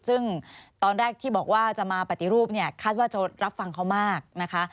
ซึ่งตอนแรกที่บอกว่าจะมาปฏิรูปเนี่ยคาดว่าจะรับฟังเขามากนะคะ